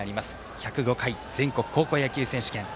１０５回全国高校野球選手権。